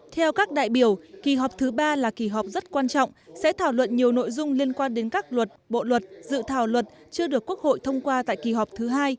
theo các đại biểu kỳ họp thứ ba là kỳ họp rất quan trọng sẽ thảo luận nhiều nội dung liên quan đến các luật bộ luật dự thảo luật chưa được quốc hội thông qua tại kỳ họp thứ hai